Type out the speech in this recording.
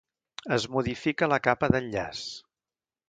Es modifica la capa d'enllaç.